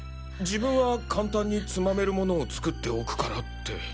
自分は簡単につまめるものを作っておくからって。